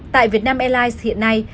tại việt nam airlines hiện nay